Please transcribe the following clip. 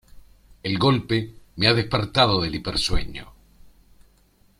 El golpe me ha despertado del hipersueño.